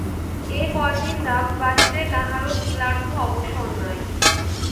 এ কয়দিন রাজবাটীতে কাহারও তিলার্ধ অবসর নাই।